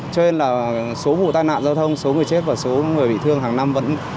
cho nên là số vụ tai nạn giao thông số người chết và số người bị thương hàng năm vẫn